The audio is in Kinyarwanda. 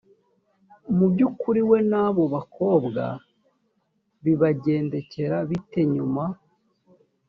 mu by ukuri we n abo bakobwa bibagendekera bite nyuma